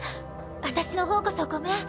私のほうこそごめん。